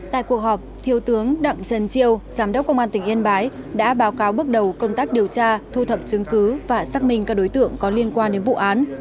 tại cuộc họp thiếu tướng đặng trần triều giám đốc công an tỉnh yên bái đã báo cáo bước đầu công tác điều tra thu thập chứng cứ và xác minh các đối tượng có liên quan đến vụ án